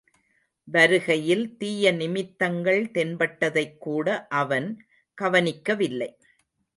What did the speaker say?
வருகையில் தீய நிமித்தங்கள் தென்பட்டதைக்கூட அவன் கவனிக்கவில்லை.